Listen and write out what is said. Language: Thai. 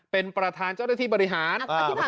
เป็นประธานเจ้าหน้าที่บริหาร